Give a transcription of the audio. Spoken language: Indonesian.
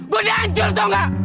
gue dihancur tau gak